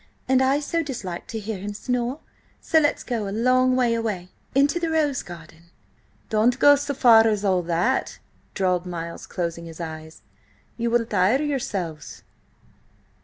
"And I so dislike to hear him snore, so let's go a long way away–into the rose garden!" "Don't go so far as all that!" drawled Miles, closing his eyes. "You will tire yourselves."